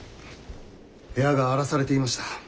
部屋が荒らされていました。